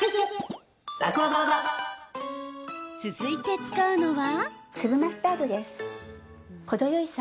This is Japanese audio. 続いて使うのは。